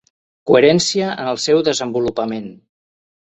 Coherència en el seu desenvolupament.